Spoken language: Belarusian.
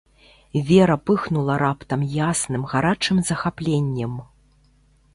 Вера пыхнула раптам ясным гарачым захапленнем.